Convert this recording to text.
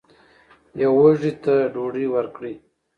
یو وږي ته ډوډۍ ورکړئ.